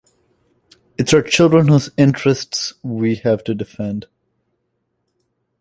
It's our children whose interests we have to defend.